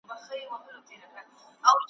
له خپل تخته را لوېدلی چي سرکار وي ,